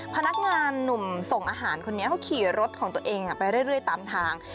พนักงานหนุ่มส่งอาหารคนนี้เขาขี่รถของตัวเองไปเรื่อยตามทาง